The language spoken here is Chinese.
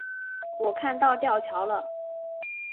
我看到吊桥了